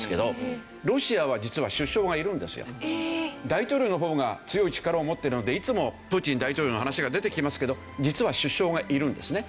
大統領の方が強い力を持ってるのでいつもプーチン大統領の話が出てきますけど実は首相がいるんですね。